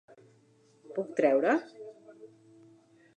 Puc treure.?